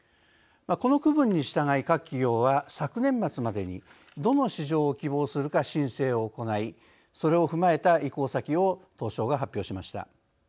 この区分に従い各企業は昨年末までにどの市場を希望するか申請を行いそれを踏まえた移行先を東証が発表しました。